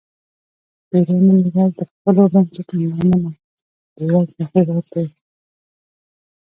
پیرو نن ورځ د خپلو بنسټونو له امله بېوزله هېواد دی.